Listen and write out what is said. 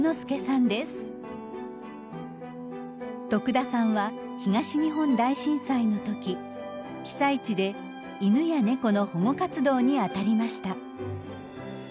田さんは東日本大震災の時被災地で犬や猫の保護活動にあたりました。